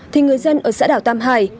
thì người dân ở xã đảo tam hải